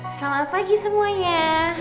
selamat pagi semuanya